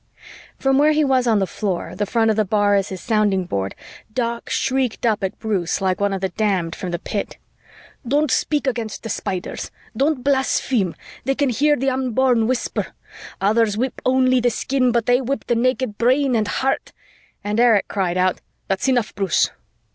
From where he was on the floor, the front of the bar his sounding board, Doc shrieked up at Bruce like one of the damned from the pit, "Don't speak against the Spiders! Don't blaspheme! They can hear the Unborn whisper. Others whip only the skin, but they whip the naked brain and heart," and Erich called out, "That's enough, Bruce!"